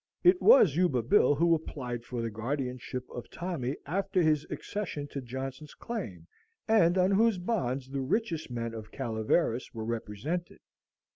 It was Yuba Bill who applied for the guardianship of Tommy after his accession to Johnson's claim, and on whose bonds the richest men of Calaveras were represented.